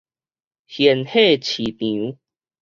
現貨市場